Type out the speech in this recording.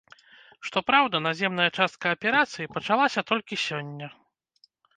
Што праўда, наземная частка аперацыі пачалася толькі сёння.